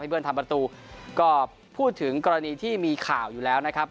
เบิ้ลทำประตูก็พูดถึงกรณีที่มีข่าวอยู่แล้วนะครับ